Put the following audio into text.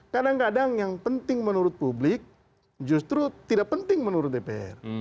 kadang kadang yang penting menurut publik justru tidak penting menurut dpr